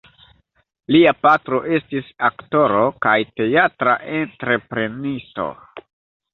Lia patro estis aktoro kaj teatra entreprenisto.